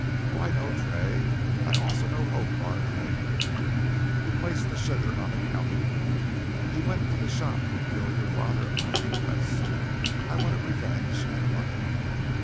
Oh, I know Tray, and I know also Hokar the Indian, who placed the sugar on the counter. He went to the shop to kill your father at my request. I wanted revenge and the money.